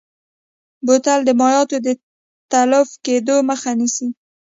بوتل د مایعاتو د تلف کیدو مخه نیسي.